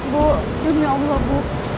bu tim ya allah bu